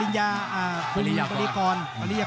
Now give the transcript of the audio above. นี่สำมัครกิราชไทยของเรา